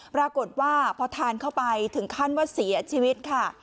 ปรากฏว่าพอทานเข้าไปถึงขั้นว่าเสียชีวิตค่ะ